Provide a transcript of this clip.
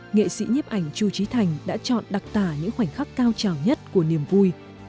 nghệ sĩ nhếp ảnh chu trí thành đã chọn đặc tả những khoảnh khắc cao trào nhất của niềm vui